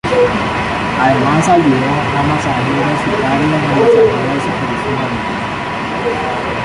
Además, ayudó a Masahiro Sakurai en el desarrollo de "Super Smash Bros.